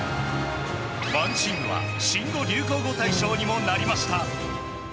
ＯＮＥＴＥＡＭは新語・流行語大賞にもなりました。